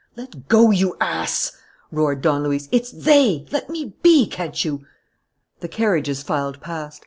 "Let go, you ass!" roared Don Luis. "It's they! Let me be, can't you!" The carriages filed past.